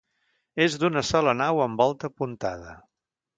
És d'una sola nau amb volta apuntada.